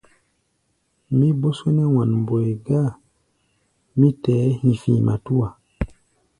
Mí bó só nɛ́ wan-mbɔi gáa, mí tɛɛ́ hi̧fi̧ matúa.